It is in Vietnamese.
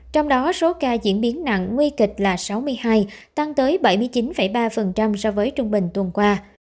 trong đó số ca diễn biến nặng nguy kịch là sáu mươi hai tăng tới bảy mươi chín ba so với trung bình tuần qua